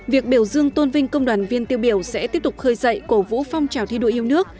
việc biểu dương tôn vinh công đoàn viên tiêu biểu sẽ tiếp tục khơi dậy cổ vũ phong trào thi đua yêu nước